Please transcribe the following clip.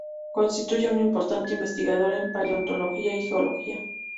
Constituye un importante investigador en paleontología y geología.